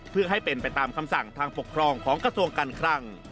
เพื่อให้เป็นไปตามคำสั่งทางปกครองของกระทรวงการคลัง